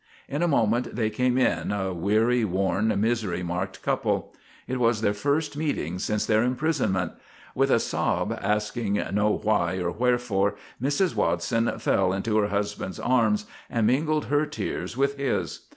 In a moment they came in, a weary, worn, misery marked couple. It was their first meeting since their imprisonment. With a sob, asking no why or wherefore, Mrs. Watson fell into her husband's arms and mingled her tears with his.